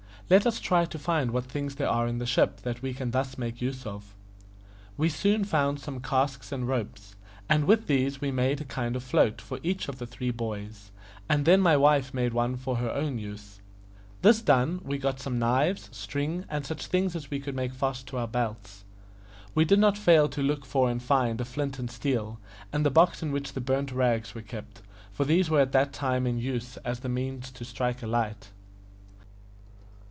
"Let us try to find what things there are in the ship that we can thus make use of." We soon found some casks and ropes, and with these we made a kind of float for each of the three boys, and then my wife made one for her own use. This done, we got some knives, string, and such things as we could make fast to our belts. We did not fail to look for and find a flint and steel, and the box in which the burnt rags were kept, for these were at that time in use as the means to strike a light.